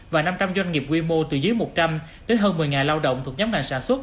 và năm trăm linh doanh nghiệp quy mô từ dưới một trăm linh đến hơn một mươi lao động thuộc nhóm ngành sản xuất